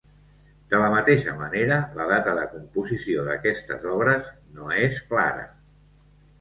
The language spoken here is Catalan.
De la mateixa manera, la data de composició d'aquestes obres no és clara.